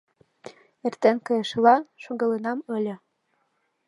Эртен кайышыла шогалынам ыле.